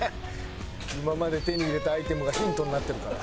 今まで手に入れたアイテムがヒントになってるから。